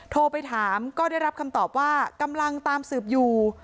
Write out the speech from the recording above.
โทรไปถามก็ได้รับคำตอบว่ากำลังตามสืบอยู่